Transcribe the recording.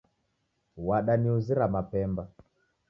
Wadaniuzira mapemba .